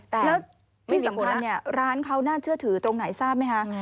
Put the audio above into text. แล้วที่สำคัญเนี่ยร้านเขาน่าเชื่อถือตรงไหนทราบไหมคะ